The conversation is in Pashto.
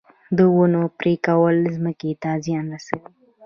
د ونو پرې کول ځمکې ته زیان رسوي